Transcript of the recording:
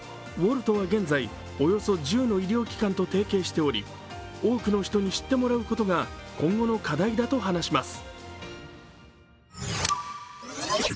Ｗｏｌｔは現在、およそ１０の医療機関と提携しており、多くの人に知ってもらうことが、今後の課題だと話します。